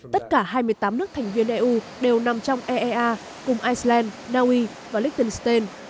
tất cả hai mươi tám nước thành viên eu đều nằm trong eaa cùng iceland norway và liechtenstein